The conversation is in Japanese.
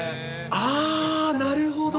ああ、なるほど。